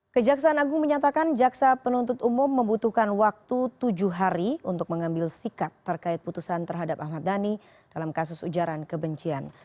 kejaksaan agung menyatakan jaksa penuntut umum membutuhkan waktu tujuh hari untuk mengambil sikap terkait putusan terhadap ahmad dhani dalam kasus ujaran kebencian